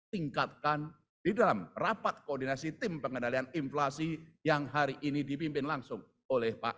tingkatkan di dalam rapat koordinasi tim pengendalian inflasi yang hari ini dipimpin langsung oleh pak